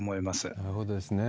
なるほどですね。